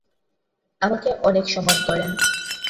আমাকে অনেক সম্মান করেন।